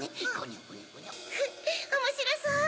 フフっおもしろそう！